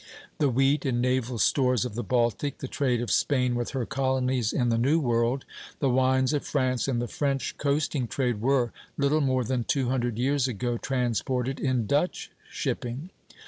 The wheat and naval stores of the Baltic, the trade of Spain with her colonies in the New World, the wines of France, and the French coasting trade were, little more than two hundred years ago, transported in Dutch shipping.